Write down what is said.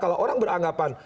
kalau orang beranggapan